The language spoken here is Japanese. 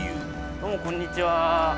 どうもこんにちは。